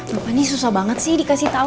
bapak ini susah banget sih dikasih tahu